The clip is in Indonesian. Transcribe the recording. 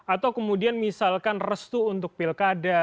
atau kemudian misalkan restu untuk pilkada